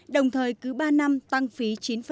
đồng thời cứ ba năm tăng phí chín